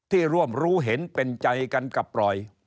ร่วมรู้เห็นเป็นใจกันกับปล่อย